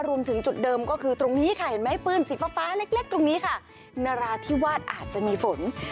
รวมถึงจุดเดิมก็คือตรงนี้ค่ะเห็นไหมปืนสีฟ้าเล็กตรงนี้ค่ะนราธิวาสอาจจะมีฝน